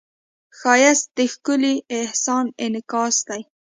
ښایست د ښکلي احساس انعکاس دی